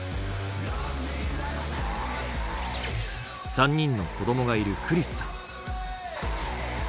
３人の子どもがいるクリスさん。